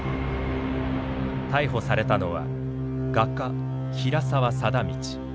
逮捕されたのは画家平沢貞通。